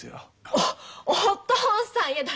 おお父さんやだ。